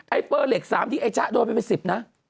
ไอ้เปอเหล็ก๓ที่ไอ้จ๊ะโดนไปไป๑๐นะ